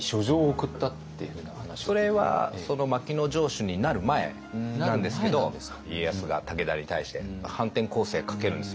それはその牧野城主になる前なんですけど家康が武田に対して反転攻勢かけるんですよ。